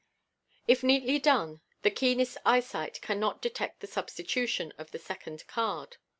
If neatly done, the keenest eyesight cannot detect the substitution of the second card.